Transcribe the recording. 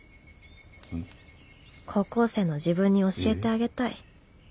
高校生の自分に教えてあげたい。